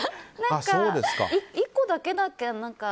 １個だけだっけ？